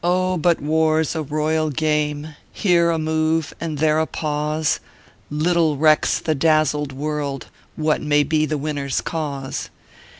0, but war s a royal game, Here a move and there a pause; Little recks the dazzled world What may be the winner s cause.